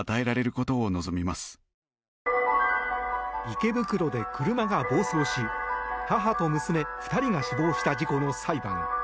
池袋で車が暴走し母と娘２人が死亡した事故の裁判